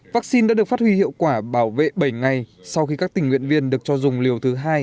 vaccine đã được phát huy hiệu quả bảo vệ bảy ngày sau khi các tình nguyện viên được cho dùng liều thứ hai